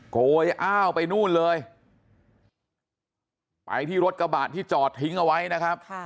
โกยอ้าวไปนู่นเลยไปที่รถกระบะที่จอดทิ้งเอาไว้นะครับ